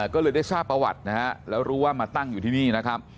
ก็เลยได้ทราบประวัตินะฮะแล้วรู้ว่ามาตั้งอยู่ที่นี่นะครับ